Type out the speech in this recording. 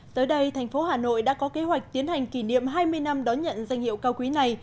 tới đây thành phố hà nội đã có kế hoạch tiến hành kỷ niệm hai mươi năm đón nhận danh hiệu cao quý này